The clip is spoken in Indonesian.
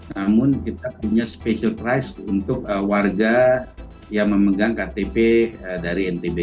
namun kita punya special price untuk warga yang memegang ktp dari ntb